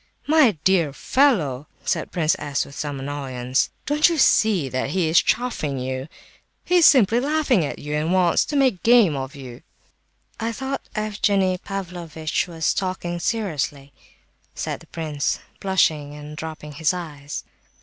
"My dear fellow!" cried Prince S., with some annoyance, "don't you see that he is chaffing you? He is simply laughing at you, and wants to make game of you." "I thought Evgenie Pavlovitch was talking seriously," said the prince, blushing and dropping his eyes.